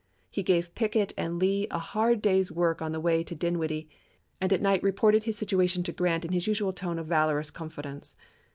He gave Pickett and Lee a hard day's work on the way to Dinwiddie, and at night reported his situation to Grant in his usual tone of valorous confidence.